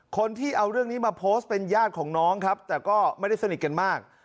คนที่เอาเรื่องนี้มาโพสต์เป็นญาติของน้องครับแต่ก็ไม่ได้สนิทกันมาก